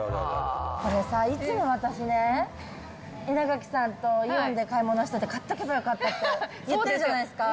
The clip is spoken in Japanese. これさ、いつも私ね、稲垣さんとイオンで買い物してて、買っとけばよかったって言ってるじゃないですか。